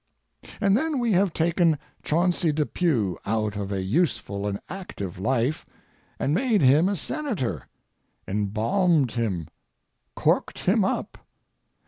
And then we have taken Chauncey Depew out of a useful and active life and made him a Senator—embalmed him, corked him up.